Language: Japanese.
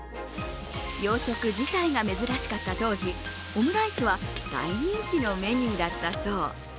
洋食自体が珍しかった当時、オムライスは大人気のメニューだったそう。